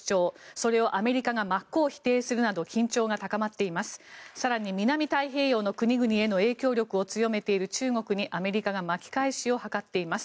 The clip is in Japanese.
それをアメリカが真っ向否定するなど緊張が高まっています。